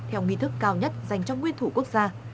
theo nghi thức cao nhất dành cho nguyên thủ quốc gia